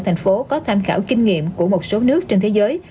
tp hcm có tham khảo kinh nghiệm của một số nước trên thế giới